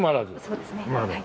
そうですねはい。